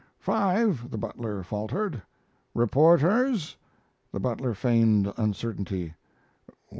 "Five," the butler faltered. "Reporters?" The butler feigned uncertainty.